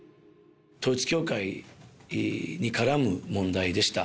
統一教会に絡む問題でした。